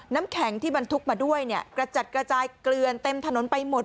น้ำแข็งที่บรรทุกมาด้วยเนี่ยกระจัดกระจายเกลือนเต็มถนนไปหมด